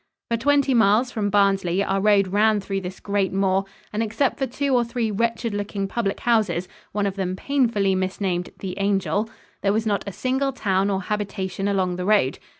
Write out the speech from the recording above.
For twenty miles from Barnsley our road ran through this great moor, and, except for two or three wretched looking public houses one of them painfully misnamed "The Angel" there was not a single town or habitation along the road.